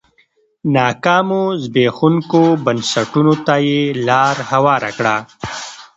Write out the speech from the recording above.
ناکامو زبېښونکو بنسټونو ته یې لار هواره کړه.